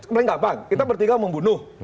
mereka kita bertiga membunuh